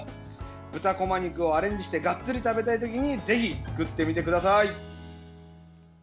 豚こま肉をアレンジにしてがっつり食べたいときにぜひ、作ってみてください。